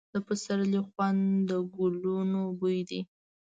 د پسرلي خوند د ګلونو بوی دی.